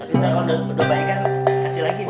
iya nanti kalau udah berdua baik kan kasih lagi deh